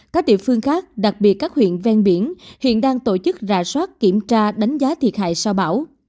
các địa phương khác đặc biệt các huyện ven biển hiện đang tổ chức rà soát kiểm tra đánh giá thiệt hại sau bão